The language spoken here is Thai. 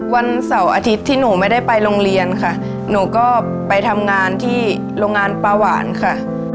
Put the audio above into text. วันเสาร์อาทิตย์ที่หนูไม่ได้ไปโรงเรียนค่ะหนูก็ไปทำงานที่โรงงานปลาหวานค่ะ